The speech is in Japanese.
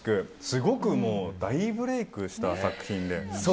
すごく大ブレークした作品で。